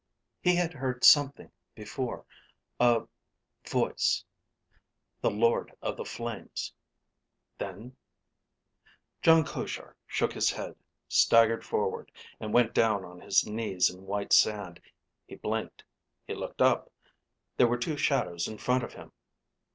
He had heard something before, a ... voice: the Lord of the Flames.... Then: Jon Koshar shook his head, staggered forward, and went down on his knees in white sand. He blinked. He looked up. There were two shadows in front of him.